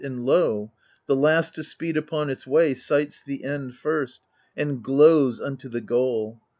And lo ! the last to speed upon its way Sights the end first, and glows unto the goal.